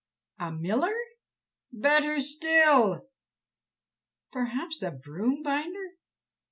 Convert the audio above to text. "A miller?" "Better still!" "Perhaps a broom binder?"